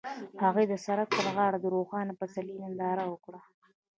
هغوی د سړک پر غاړه د روښانه پسرلی ننداره وکړه.